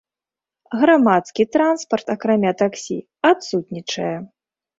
Грамадскі транспарт, акрамя таксі, адсутнічае.